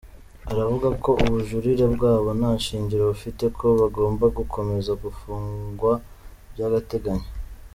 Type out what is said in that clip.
Aravuga ko ubujurire bwabo nta shingiro bufite ko bagomba gukomeza gufungwa by’agateganyo.